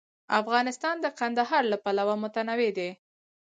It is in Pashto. افغانستان د کندهار له پلوه متنوع دی.